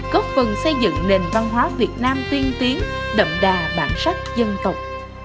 cốp phần xây dựng nền văn hóa việt nam tiên tiến đậm đà bản sách dân tộc